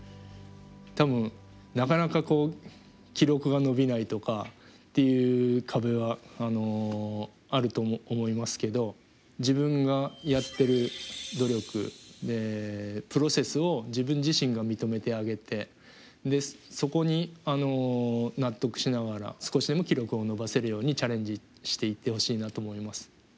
多分なかなか記録が伸びないとかっていう壁はあると思いますけど自分がやってる努力プロセスを自分自身が認めてあげてでそこに納得しながら少しでも記録を伸ばせるようにチャレンジしていってほしいなと思います。